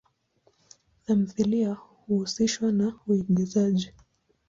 Tamthilia huhusishwa na uigizaji.